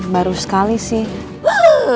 baru sekali sih